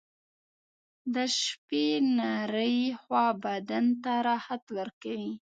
• د شپې نرۍ هوا بدن ته راحت ورکوي.